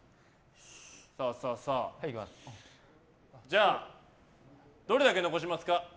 じゃあ、どれだけ残しますか？